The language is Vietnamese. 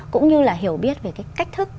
cũng như là hiểu biết về cái cách thức